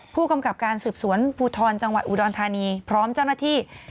ผู้กำกับการสืบสวนภูทรจังหวัดอุดรธานีพร้อมเจ้าหน้าที่